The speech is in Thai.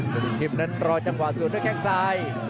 ซุปกรีมนั้นรอจังหวะสูตรด้วยแค่งซ้าย